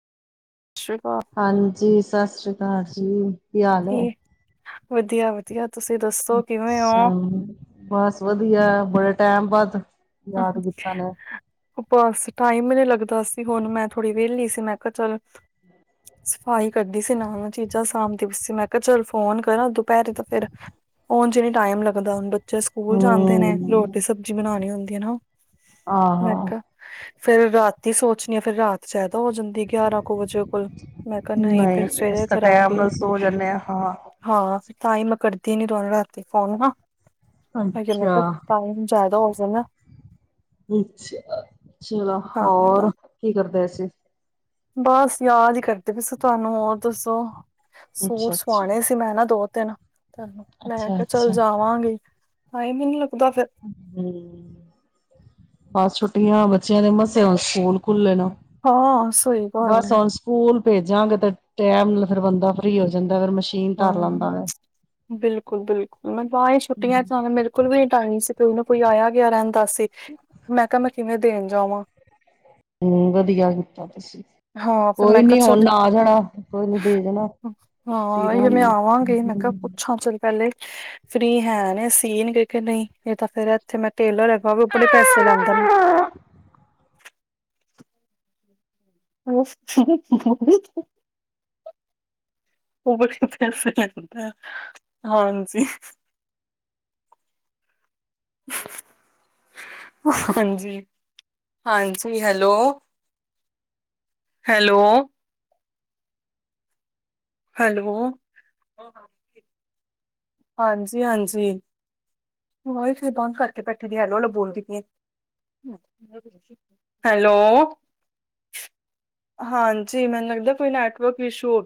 ਸ਼੍ਰੀਕਾ ਹਾਂਜੀ, ਸਾ ਸ੍ਰੀ ਕਾਲ ਜੀ, ਕੀ ਹਾਲ ਐ? ਵਧੀਆ-ਵਧੀਆ, ਤੁਸੀਂ ਦੱਸੋ ਕਿਵੇਂ ੳ? ਹੈ ਬਸ ਵਧੀਆ, ਬੜੇ ਟੈਮ ਬਾਦ [unintelligible] ਬਾਸ ਟਾਈਮ ਨੀ ਲੱਗਦਾ ਸੀ ਹੁਣ ਮੈਂ ਥੋੜ੍ਹੀ ਵੇਲੀ ਸੀ, ਮੈਂ ਕੇਆ ਚੱਲ [inaudible] ਸਫ਼ਾਈ ਕਰਦੀ ਸੀ ਨਾਲ-ਨਾਲ ਚੀਜਾਂ ਸਾਂਭਦੀ ਪਈ ਸੀ ਮੈਂ ਕੇਆ ਚੱਲ, ਫੋਨ ਕਰਾਂ ਦੁਪੈਰੇ ਤਾ ਫੇਰ ਉਂਝ ਨੀ ਟਾਈਮ ਲੱਗਦਾ ਬੱ ਬੱਚੇ ਸਕੂਲ ਜਾਂਦੇ ਨੇ ਰੋਟੀ, ਹਮ ਸਬਜੀ ਬਨਾਣੀ ਹੁੰਦੀ ਐ ਨਾ, ਆਹੋ ਮੈਂ ਕਾ ਫੇਰ ਰਾਤੀ ਸੋਚਣੀ ਆ, ਫੇਰ ਰਾਤ ਜਾਦਾ ਹੋ ਜਾਂਦੀ ਗੇਆਰਾਂ ਕੋ ਵਜੇ ਕੋਲ, ਮੈਂ ਕੇਆ ਨਈ ਫੇਰ ਨਹੀਂ ਇਸ ਸਵੇਰੇ ਤਾਂ ਟਾਈਮ ਕਰਾਂਗੇ। ਨਾਲ ਸੋ ਜਾਂਦੇ ਹਾਂ ਹਾਂ ਹਾਂ, ਤਾਂਈ ਮੈਂ ਕਰਦੀ ਨੀ ਤੋਹਾਨੂੰ ਰਾਤੀ ਫੋਨ ਨਾ। ਹੈਗੇ ਮੈ ਤੇ, ਅੱਛਾ ਟਾਈਮ ਜਾਦਾ ਹੋ ਜਾਨ ਨਾ। ਅੱਛਾ, ਚਲੋ ਹਾਂ ਹੋਰ, ਕੀ ਕਰਦੇ ਸੀ? ਬੱਸ ਯਾਦ ਈ ਕਰਦੇ ਪੀ ਸੀ, ਤੁਆਨੂੰ ਹੋਰ ਦੱਸੋ? ਸੂਟ ਅੱਛਾ ਅੱਛਾ ਸੁਵਾਣੇ ਸੀ ਮੈਂ ਨਾ ਦੋ-ਤਿਨ, ਮੈਂ ਅੱਛਾ ਕੇਆ ਚੱਲ ਅੱਛਾ ਜਾਵਾਂਗੀ, ਟਾਈਮ ਈ ਨੀ ਲੱਗਦਾ ਫੇਰ। ਹੂੰ, ਬੱਸ ਛੁੱਟੀਆ, ਬੱਚੇਆਂ ਦੇ ਮਸਾਂ ਸਕੂਲ ਖੁੱਲੇ ਨੇ। ਹਾਂ, ਸਈ ਗੱਲ ਬਸ ਐ ਹੁਣ ਸਕੂਲ ਭੇਜਾਂਗੇ ਤੇ, ਟੈਮ ਨਾਲ ਫਿਰ ਬੰਦਾ ਫ੍ਰੀ ਹੋ ਜਾਂਦਾ। ਫੇਰ ਮਸ਼ ਹੂੰ, ਬਿਲਕੁਲ-ਬਿਲਕੁਲ ਮੈਂ ਤਾਈ [unintelligible] ਛੁੱਟੀਆਂ ਵੇ ਚ ਆਣਾ ਮੇਰੇ ਬਿਲਕੁਲ ਵੀ ਨੀ ਟਾਇਮ ਸੀ, ਕੋਈ ਨਾ ਕੋਈ ਆਏਆ-ਗਏਆ ਰੈਂਦਾ ਸੀ, ਮੈਂ ਕੇਆ ਮੈਂ ਕਿਵੇਂ ਦੇਣ ਜਾਵਾਂ? ਹੂੰ ਵਦੀਆ ਕੀਤਾ ਤੁਸੀਂ, ਹਾਂ ਫਿਰ ਕੋਈ ਮੈਂ ਕਿਹਾ ਨੀ ਹੁਣ ਚੱਲ ਆ ਜਾਣਾ, ਕੋਈ ਨੀ ਦੇ ਜਾਨਾ ਹਾਂ, ਮੈਂ ਆਵਾਂਗੀ ਮੈਂ ਕੇਆ ਪੁੱਛਾਂ ਚੱਲ ਪੈਲੇ ਫ੍ਰੀ ਹੈ ਨੇ ਸੀਨ ਗੇ ਕੇ ਨਈ, ਨਹੀਂ ਯਾ ਤਾਂ ਫੇਰ ਐੱਥੇ ਮੈਂ ਟੇਲਰ ਹੈਗਾ ਵੇ, ਓਹ ਬੜੇ ਪੈਸੇ ਲੈਂਦਾ [unintelligible] [unintelligible] ਓ ਬੜੇ [unintelligible] ਪੈਸੇ ਲੈਂਦਾ, ਹਾਂਜੀ [inaudible] ਹਾਂਜੀ, ਹਾਂਜੀ ਹੈਲੋ? [unintelligible] ਹੈਲੋ ਹੈਲੋ, ਹਾਂਜੀ-ਹਾਂਜੀ। [unintelligible] ਵਾਜ ਵੀ ਫੇਰ ਬਂਦ ਕਾਰਕੇ ਬੈਠੇ ਦੀ ਐ, ਹੈਲੋ-ਹੈਲੋ ਬੋਲਦੀ ਪਈ ਏਂ। ਹੈਲੋ [unintelligible] ਹਾਂਜੀ, ਮੈਨੂੰ ਲੱਗਦਾ ਕੋਈ ਨੈਟਵਕ ਇਸ਼ੂ ਹੋ